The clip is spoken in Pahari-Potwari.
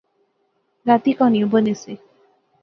راتیں کہانیاں بانے سے